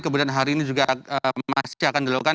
kemudian hari ini juga masih akan dilakukan